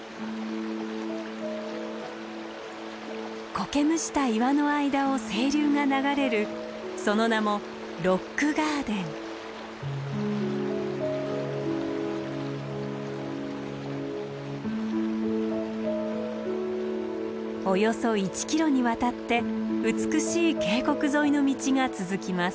こけむした岩の間を清流が流れるその名もおよそ１ｋｍにわたって美しい渓谷沿いの道が続きます。